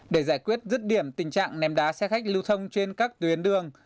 để giải quyết rứt điểm tình trạng ném đá xe khách lưu thông trên các tuyến đường